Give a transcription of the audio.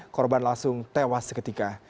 korban langsung tewas seketika